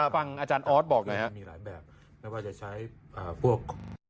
ฟังอาจารย์ออสบอกเลยครับมีหลายแบบไม่ว่าจะใช้พวก